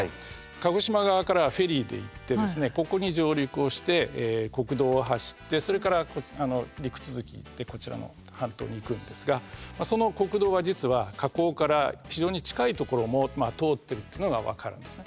鹿児島側からフェリーで行ってここに上陸をして国道を走ってそれから陸続きでこちらの半島に行くんですがその国道は実は火口から非常に近い所も通ってるっていうのが分かるんですね。